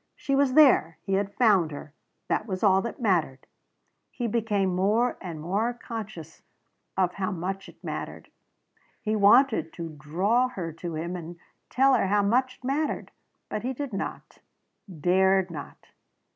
She was there. He had found her. That was all that mattered. He became more and more conscious of how much it mattered. He wanted to draw her to him and tell her how much it mattered. But he did not dared not.